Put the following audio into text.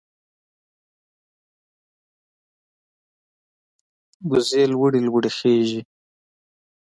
وزې لوړه لوړه خېژي